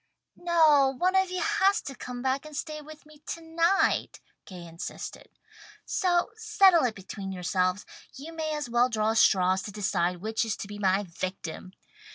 "No, one of you has to come back and stay with me to night," Gay insisted. "So settle it between yourselves. You may as well draw straws to decide which is to be my victim."